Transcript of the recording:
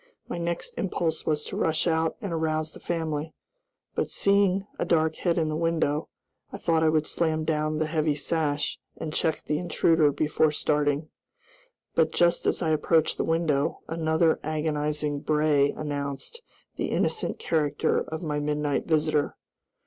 My next impulse was to rush out and arouse the family, but, seeing a dark head in the window, I thought I would slam down the heavy sash and check the intruder before starting. But just as I approached the window, another agonizing bray announced the innocent character of my midnight visitor.